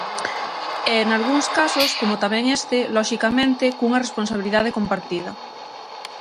E nalgúns casos, como tamén este, loxicamente, cunha responsabilidade compartida.